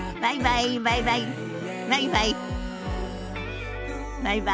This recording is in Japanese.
バイバイ。